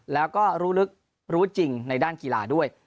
แล้วก็รู้ลึกรู้จริงในด้านกีฬาด้วย